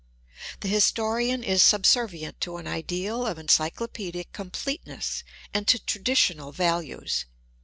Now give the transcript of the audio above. ? The historian is subservient to an ideal of encyclopedic I completeness and to traditional values.